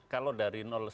kalau dari satu